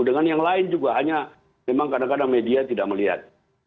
dengan yang lain juga hanya memang kadang kadang media tidak melihat